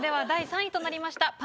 第３位となりました